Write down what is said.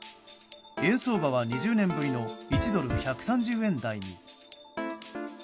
円相場は２０年ぶりの１ドル＝１３０円台に。